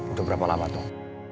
untuk berapa lama tuh